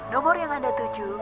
nomor yang anda tuju